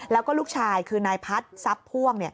แล้วก็ลูกชายคือนายพัฒน์ทรัพย์พ่วง